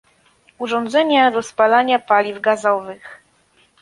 Urządzenia do spalania paliw gazowych